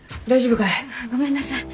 ごめんなさい。